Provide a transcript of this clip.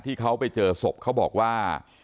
ที่เขาไปเจอศพเขาบอกว่า